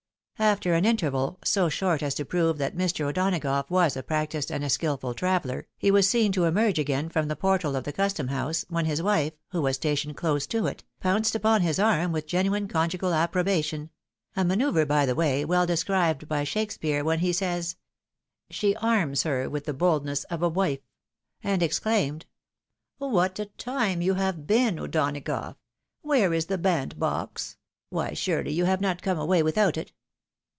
After an interval, so short as to prove that Mr. O'Dona gough was a practised and a skilful traveller, he was seen to emerge again from the portal of the Custom house, when his wife, who was stationed close to it, pounced upon his arm with genuine conjugal approbation — a manoeuvre, by the by, well described by Shakespeare, when he says. She anus her with the holdness of a wife — and exclaimed, "What a time you have been O'Donagough! where is the bandbox ? Why surely you have not come away without it